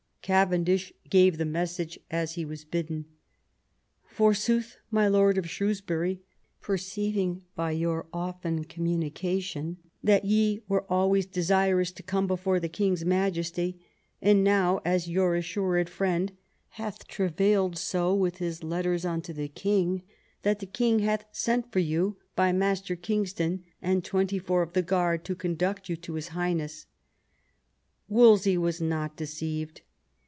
Cavendish gave the message as he was bidden. "Forsooth my lord of Shrewsbury, perceiving by your often communication that ye were always desirous to come before the king's Majesty, and now as your assured friend, hath travailed so with his letters unto the king, that the king hath sent for you by Master Kingston and twenty foiu* of the guard to conduct you to his Highness." Wolsey was not deceived.